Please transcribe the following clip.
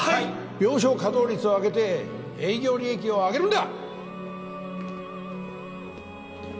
病床稼働率を上げて営業利益を上げるんだ！